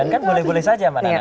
dan kan boleh boleh saja manana